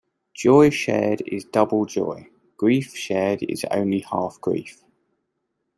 Joy shared is double joy; grief shared is only half grief.